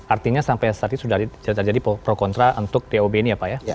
artinya sampai saat ini sudah terjadi pro kontra untuk tob ini ya pak ya